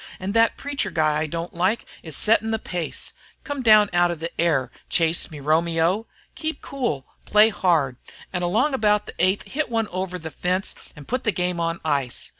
An' thet preacher guy I don't like is settin' the pace. Come down out of the air, Chase, me Romeo. Keep cool, play hard, an' along about the eighth hit one over the fence an' put the game on ice.